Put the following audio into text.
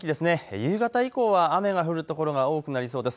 夕方以降は雨が降る所が多くなりそうです。